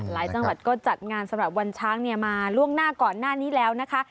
จังหวัดก็จัดงานสำหรับวันช้างมาล่วงหน้าก่อนหน้านี้แล้วนะคะ